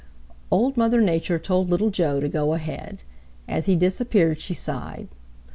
Old Mother Nature told Little Joe to go ahead. As he disappeared, she sighed.